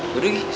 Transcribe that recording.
gue udah pergi